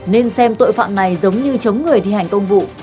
nên xem tội phạm này giống như chống người thi hành công vụ